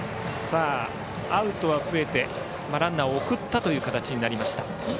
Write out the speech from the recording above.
アウトは増えてランナーを送った形になりました。